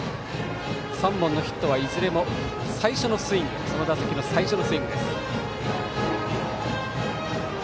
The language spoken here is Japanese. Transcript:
３本のヒットはいずれもその打席の最初のスイング。